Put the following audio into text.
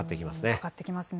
かかってきますね。